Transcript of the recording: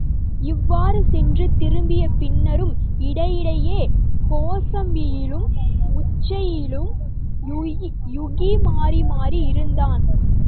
இவ்வாறு சென்று திரும்பிய பின்னரும், இடையிடையே கோசாம்பியிலும் உஞ்சையிலுமாக யூகி மாறிமாறி இருந்தான்.